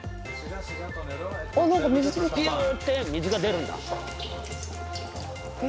ビュって水が出るんだ。